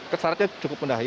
kesehatannya cukup mendapatkan